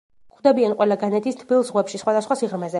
გვხვდებიან ყველა განედის თბილ ზღვებში, სხვადასხვა სიღრმეზე.